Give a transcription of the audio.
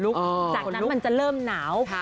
จากนั้นมันจะเริ่มหนาว